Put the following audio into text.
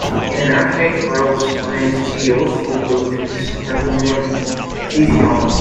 In an alternate world, Superman is still youthful due to his superhuman physiology.